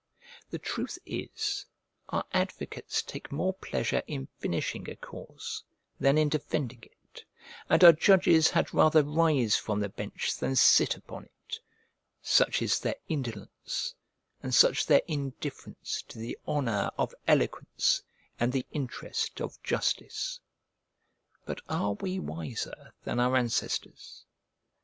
The truth is, our advocates take more pleasure in finishing a cause than in defending it; and our judges had rather rise from the bench than sit upon it: such is their indolence, and such their indifference to the honour of eloquence and the interest of justice! But are we wiser than our ancestors?